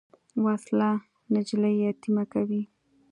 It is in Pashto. وسله نجلۍ یتیمه کوي